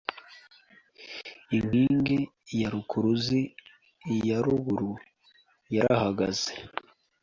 Inkingi ya rukuruzi ya ruguru yarahagaze